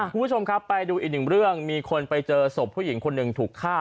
คุณผู้ชมครับไปดูอีกหนึ่งเรื่องมีคนไปเจอศพผู้หญิงคนหนึ่งถูกฆ่า